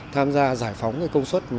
tham gia giải phóng công suất